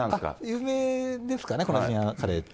有名ですかね、この陣屋カレーって。